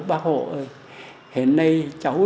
bác hộ ơi hiện nay cháu